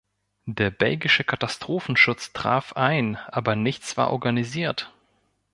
Der belgische Katastrophenschutz traf ein, aber nichts war organisiert.